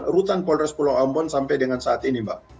rutan polres pulau ambon sampai dengan saat ini mbak